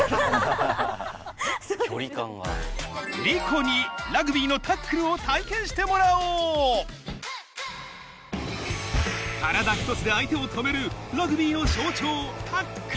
莉子にラグビーのタックルを体験してもらおう体一つで相手を止めるラグビーの象徴